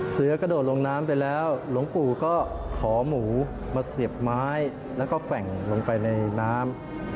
เสือกระโดดลงน้ำไปแล้วหลวงปู่ก็ขอหมูมาเสียบไม้แล้วก็แฝ่งลงไปในน้ำ